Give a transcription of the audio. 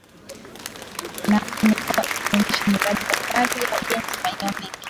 Na imekuwa ikiendesha miradi mbalimbali ya ujenzi maeneo mengi